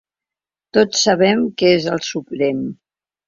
Tots sabem què és el suprem.